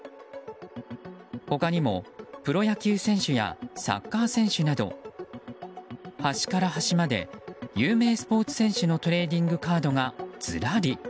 他にもプロ野球選手やサッカー選手など端から端まで有名スポーツ選手のトレーディングカードがずらり。